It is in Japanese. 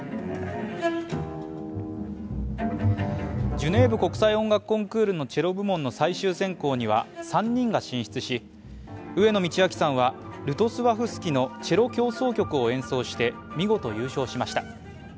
ジュネーブ国際音楽コンクールのチェロ部門の最終選考には３人が進出し、上野通明さんはルトスワフスキの「チェロ協奏曲」を演奏して見事優勝しました。